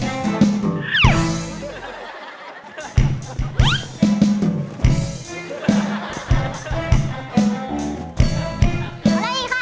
อีกได้อีก